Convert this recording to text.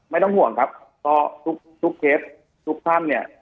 ไม่ต้องห่วงครับก็ทุกเคสทุกท่านเนี่ย